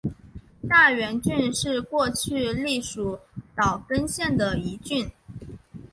大原郡是过去隶属岛根县的一郡。